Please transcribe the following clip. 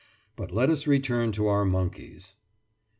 But let us return to our monkeys.